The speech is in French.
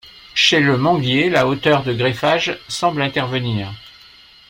Chez le manguier la hauteur de greffage semble intervenir.